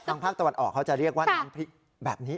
ภาคตะวันออกเขาจะเรียกว่าน้ำพริกแบบนี้